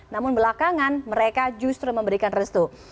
namun belakangan mereka justru memberikan restu